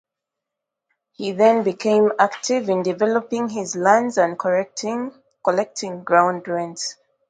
He then became active in developing his lands and collecting ground rents.